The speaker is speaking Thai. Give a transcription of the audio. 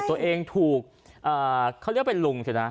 ตัวเองถูกเขาเรียกว่าเป็นลุงใช่ไหม